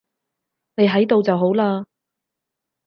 你喺度就好喇